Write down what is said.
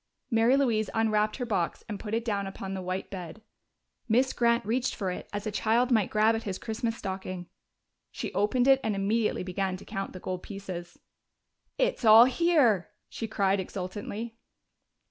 Mary Louise unwrapped her box and put it down upon the white bed. Miss Grant reached for it as a child might grab at his Christmas stocking. She opened it and immediately began to count the gold pieces. "It's all here!" she cried exultantly.